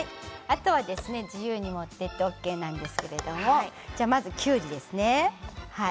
あとは自由に盛ってＯＫなんですけれどもきゅうりですね。